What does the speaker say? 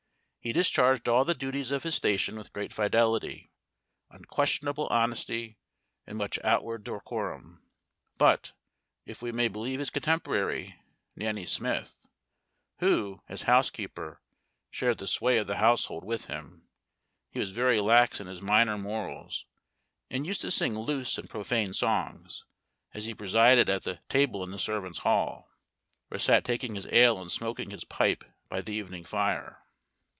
He discharged all the duties of his station with great fidelity, unquestionable honesty, and much outward decorum, but, if we may believe his contemporary, Nanny Smith, who, as housekeeper, shared the sway of the household with him, he was very lax in his minor morals, and used to sing loose and profane songs as he presided at the table in the servants' hall, or sat taking his ale and smoking his pipe by the evening fire.